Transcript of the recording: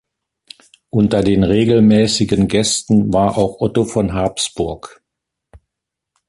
Unter den regelmäßigen Gästen war auch Otto von Habsburg.